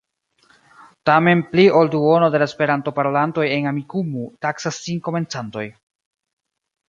Tamen pli ol duono de la Esperanto-parolantoj en Amikumu taksas sin komencantoj.